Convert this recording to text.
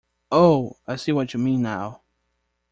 Oh, I see what you mean now.